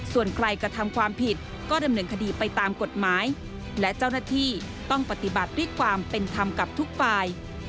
ส่วนใครกระทำความผิดก็ดำเนินคดีไปตามกฎหมายและเจ้าหน้าที่ต้องปฏิบัติด้วยความเป็นธรรมกับทุกฝ่าย